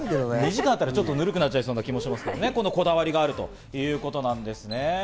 ２時間も入っていると、ぬるくなっちゃいそうな気もしますけど、こだわりがあるということですね。